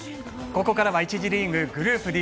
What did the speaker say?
ここからは１次リーグ、グループＤ。